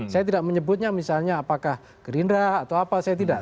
saya tidak menyebutnya misalnya apakah gerindra atau apa saya tidak